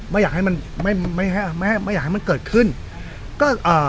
ไม่อยากให้มันไม่ไม่ให้ไม่ไม่อยากให้มันเกิดขึ้นก็เอ่อ